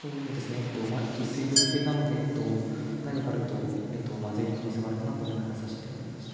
えっと薄い玉形なので何かあるとまずい可能性もあるかなと思いながら指してはいました。